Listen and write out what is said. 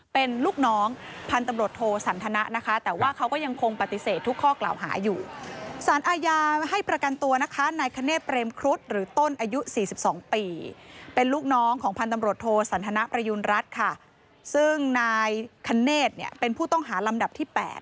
เป็นลูกน้องของพันธมรตโทสันทนาประยุณรัฐค่ะซึ่งนายคเนธเนี่ยเป็นผู้ต้องหารำดับที่๘